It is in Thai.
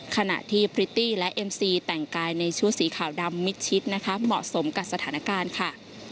ขณะที่พริตตี้และเอ็มซีแต่งกายในชุดสีขาวดำมิดชิดนะคะเหมาะสมกับสถานการณ์ค่ะ